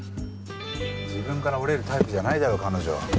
自分から折れるタイプじゃないだろ彼女は。